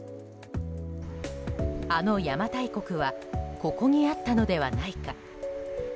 あの邪馬台国はここにあったのではないか。